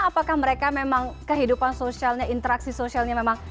apakah mereka memang kehidupan sosialnya interaksi sosialnya itu memang apa ya